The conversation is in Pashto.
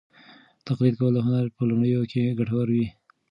تقلید کول د هنر په لومړیو کې ګټور وي.